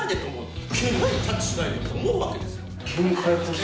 思うわけですよ。